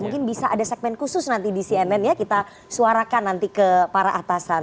mungkin bisa ada segmen khusus nanti di cnn ya kita suarakan nanti ke para atasan